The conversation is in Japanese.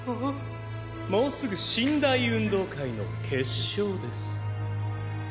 もうすぐ神・大運動会の決勝です。